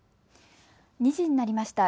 ２時になりました。